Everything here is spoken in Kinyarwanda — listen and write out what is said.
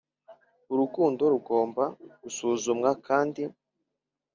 Urukundo rugomba gusuzumwa kandi